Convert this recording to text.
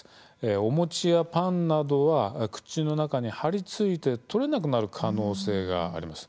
お餅やパンなどは口の中に張り付いて取れなくなる可能性があります。